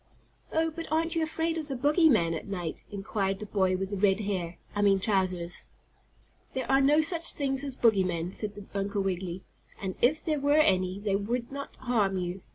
"Oh, but aren't you afraid of the bogeyman at night?" inquired the boy with the red hair I mean trousers. "There are no such things as bogeymen," said Uncle Wiggily, "and if there were any, they would not harm you.